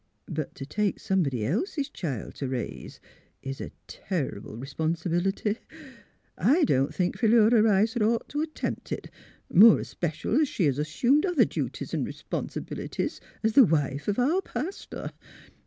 But to take some body else's child t' raise is a terrible r'sponsi bility. I don't think Philura Rice 'd ought t' attempt it, more especial as she has assumed other duties an' r'ponsibilities as the wife of our pastor.